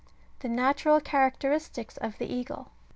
THE NATURAL CHARACTERISTICS OF THE EAGLE.